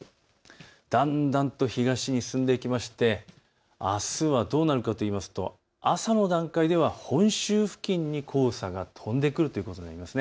だんだんと東に進んでいってあすはどうなるかというと朝の段階では本州付近に黄砂が飛んでくるということになります。